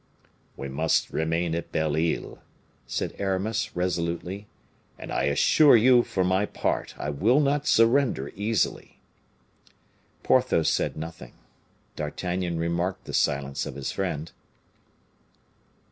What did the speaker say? "We must remain at Belle Isle," said Aramis, resolutely; "and I assure you, for my part, I will not surrender easily." Porthos said nothing. D'Artagnan remarked the silence of his friend.